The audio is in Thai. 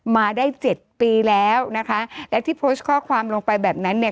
มาได้เจ็ดปีแล้วนะคะและที่โพสต์ข้อความลงไปแบบนั้นเนี่ย